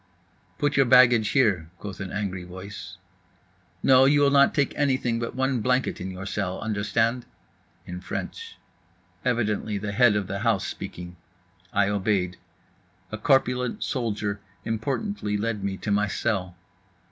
"Put your baggage in here," quoth an angry voice. "No, you will not take anything but one blanket in your cell, understand." In French. Evidently the head of the house speaking. I obeyed. A corpulent soldier importantly lead me to my cell.